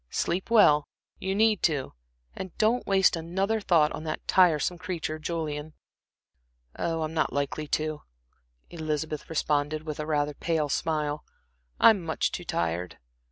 "Sleep well you need to and don't waste another thought on that tiresome creature, Julian." "Oh, I'm not likely to," Elizabeth responded, with rather a pale smile. "I'm much too tired."